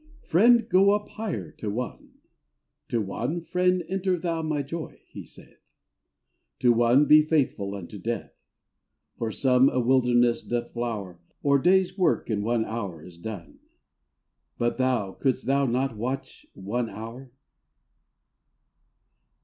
" Friend, go up higher," to one ; to one, " Friend, enter thou My joy," He saith : To one, " Be faithful unto death." For some a wilderness doth flower, Or day's work in one hour is done, —" But thou, couldst thou not watch one hour?"